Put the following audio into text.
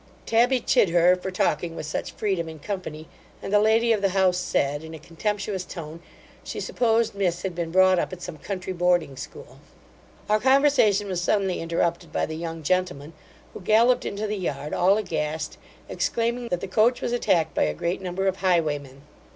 Tabby chid her for talking with such freedom in company; and the lady of the house said, in a contemptuous tone, she supposed miss had been brought up at some country boarding school. Our conversation was suddenly interrupted by the young gentleman, who galloped into the yard all aghast, exclaiming, that the coach was attacked by a great number of highwaymen.